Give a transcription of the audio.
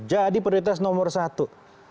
jadi prioritas nomor satu